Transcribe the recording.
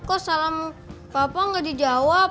kok salam papa nggak dijawab